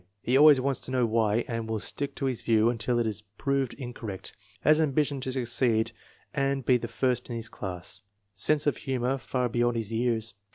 He always wants to know why, and will stick to his view until it is proved incorrect/* Has ambition to succeed and be the first in his class. Sense of humor far beyond his years.